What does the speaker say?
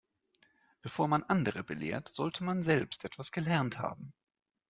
Bevor man andere belehrt, sollte man selbst etwas gelernt haben.